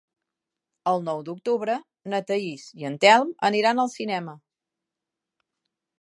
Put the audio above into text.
El nou d'octubre na Thaís i en Telm aniran al cinema.